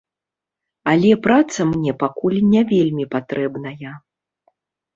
Але праца мне пакуль не вельмі патрэбная.